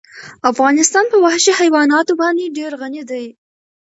افغانستان په وحشي حیواناتو باندې ډېر غني دی.